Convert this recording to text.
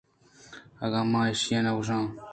اگاں ما ایشاناں کُشت